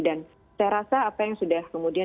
dan saya rasa apa yang sudah kemudian